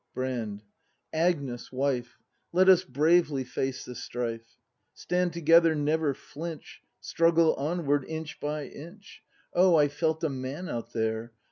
Brand. Agnes, wife. Let us bravely face the strife; Stand together, never flinch, Struggle onward, inch by inch. Oh, I felt a man out there!